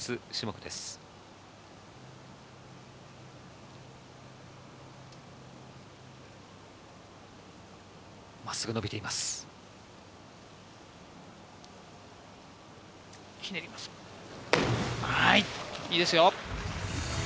いいですよ。